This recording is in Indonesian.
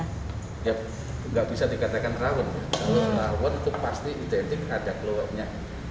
ya nggak bisa dikatakan rawon kalau rawon itu pasti identik ada keluaknya